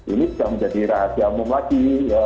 ini bisa menjadi rahasia umum lagi